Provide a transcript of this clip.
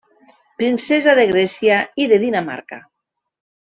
Princesa de Grècia i de Dinamarca.